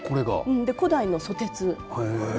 古代のソテツ。